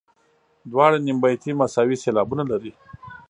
دواړه نیم بیتي مساوي سېلابونه لري.